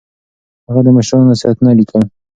هغه د مشرانو نصيحتونه ليکل.